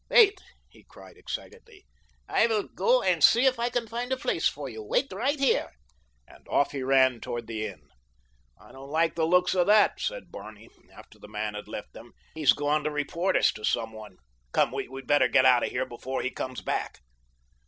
"Wait," he cried, excitedly, "I will go and see if I can find a place for you. Wait right here," and off he ran toward the inn. "I don't like the looks of that," said Barney, after the man had left them. "He's gone to report us to someone. Come, we'd better get out of here before he comes back."